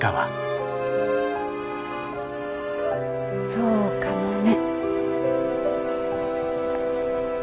そうかもね。